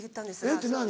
「えっ⁉て何？